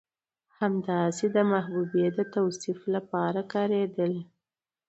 همداسې د محبوبې د توصيف لپاره کارېدلي